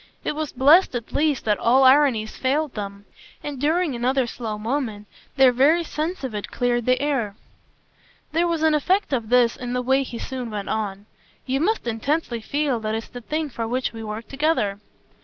It was blest at least that all ironies failed them, and during another slow moment their very sense of it cleared the air. There was an effect of this in the way he soon went on. "You must intensely feel that it's the thing for which we worked together."